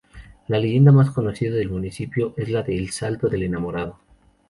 La leyenda más conocida del municipio es la del "Salto del Enamorado".